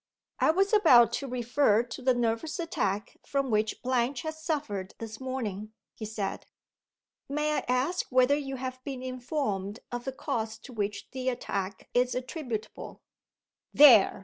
"I was about to refer to the nervous attack from which Blanche has suffered this morning," he said. "May I ask whether you have been informed of the cause to which the attack is attributable?" "There!"